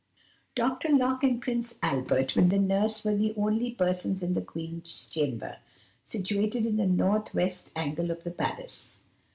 Dr. Locock and Prince Albert, with the nurse, were the only persons in the Queen's chamber, situated in the north west angle of the palace.